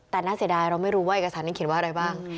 แต่น่าเสียดายเราไม่รู้ว่าเอกสารนี้เขียนว่าอะไรบ้าง